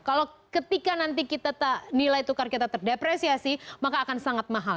kalau ketika nanti nilai tukar kita terdepresiasi maka akan sangat mahal